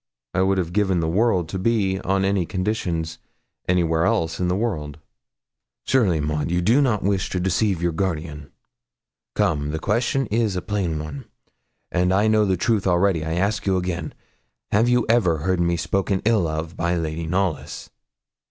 I would have given the world to be, on any conditions, anywhere else in the world. 'Surely, Maud, you don't wish to deceive your guardian? Come, the question is a plain one, and I know the truth already. I ask you again have you ever heard me spoken ill of by Lady Knollys?'